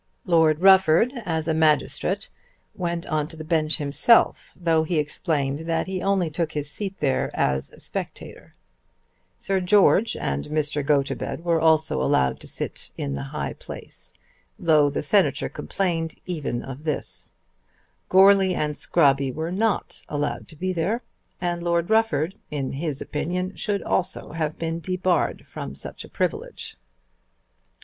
Lord Rufford, as a magistrate, went on to the bench himself, though he explained that he only took his seat there as a spectator. Sir George and Mr. Gotobed were also allowed to sit in the high place, though the Senator complained even of this. Goarly and Scrobby were not allowed to be there, and Lord Rufford, in his opinion, should also have been debarred from such a privilege.